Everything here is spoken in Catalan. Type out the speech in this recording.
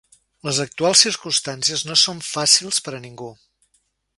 Les actuals circumstàncies no són fàcils, per a ningú.